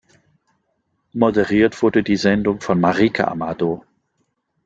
Moderiert wurde die Sendung von Marijke Amado.